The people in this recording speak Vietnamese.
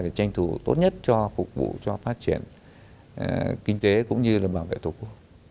để tranh thủ tốt nhất cho phục vụ cho phát triển kinh tế cũng như là bảo vệ thổ quốc